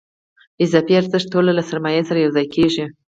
اضافي ارزښت ټول له سرمایې سره یوځای کېږي